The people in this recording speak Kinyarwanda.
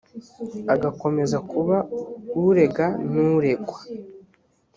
agakomeza kuba urega n’uregwa